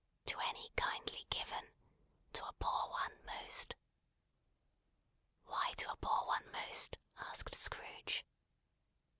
"To any kindly given. To a poor one most." "Why to a poor one most?" asked Scrooge.